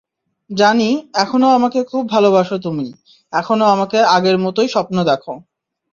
জানি, এখনো আমাকে খুব ভালোবাসো তুমি, এখনো আমাকে আগের মতোই স্বপ্ন দেখো।